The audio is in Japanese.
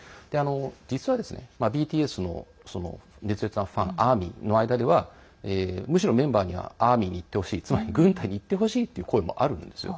実は、ＢＴＳの熱烈なファンＡＲＭＹの間ではむしろメンバーにはＡＲＭＹに行ってほしいつまり、軍隊に行ってほしいという声もあるんですよ。